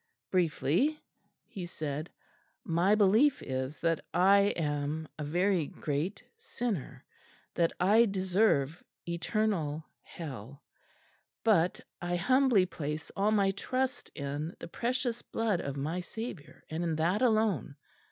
"Briefly," he said, "my belief is that I am a very great sinner, that I deserve eternal hell; but I humbly place all my trust in the Precious Blood of my Saviour, and in that alone.